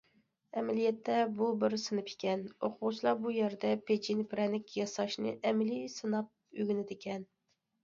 ئەمەلىيەتتە بۇ بىر سىنىپ ئىكەن، ئوقۇغۇچىلار بۇ يەردە پېچىنە- پىرەنىك ياساشنى ئەمەلىي سىناپ ئۆگىنىدىكەن.